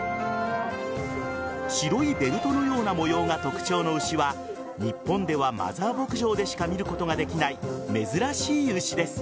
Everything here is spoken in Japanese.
白いベルトのような模様が特徴の牛は日本ではマザー牧場でしか見ることができない、珍しい牛です。